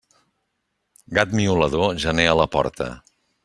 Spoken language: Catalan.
Gat miolador, gener a la porta.